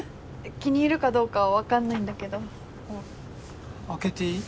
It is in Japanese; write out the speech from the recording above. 気に入るかどうかは分かんないんだけど開けていい？